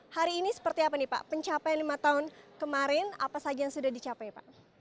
hari ini seperti apa nih pak pencapaian lima tahun kemarin apa saja yang sudah dicapai pak